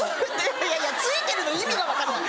いやいやツイてるの意味が分からない